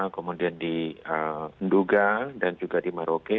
kemudian di nduga dan juga di maroke